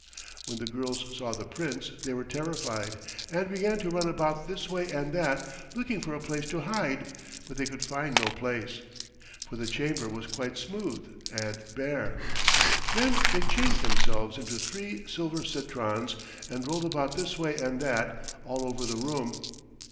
When the girls saw the Prince they were terrified and began to run about this way and that, looking for a place to hide; but they could find no place, for the chamber was quite smooth and bare. Then they changed themselves into three silver citrons and rolled about this way and that, all over the room.